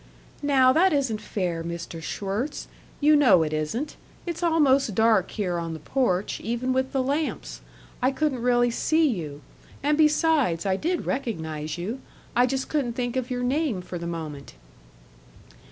"Now that isn't fair, Mr. Schwirtz; you know it isn't it's almost dark here on the porch, even with the lamps. I couldn't really see you. And, besides, I did recognize you I just couldn't think of your name for the moment."